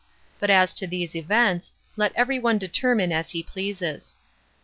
But as to these events, let every one determine as he pleases.